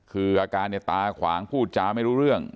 คืออาการเนี่ยตาขวางพูดจาไม่รู้เรื่อง